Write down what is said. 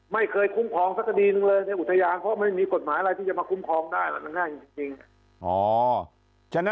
ไม่เคยคุ้มครองสักคดีหนึ่งเลยในอุทยานเพราะไม่มีกฎหมายอะไรที่จะมาคุ้มครองได้หรอกมันง่ายจริง